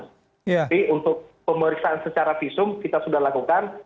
tapi untuk pemeriksaan secara visum kita sudah lakukan